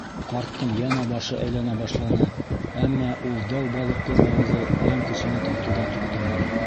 Ҡарттың йәнә башы әйләнә башланы, әммә ул дәү балыҡлы бауҙы йән көсөнә тартыуҙан туҡтаманы.